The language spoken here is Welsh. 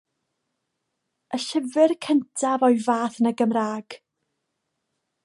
Y llyfr cyntaf o'i fath yn y Gymraeg.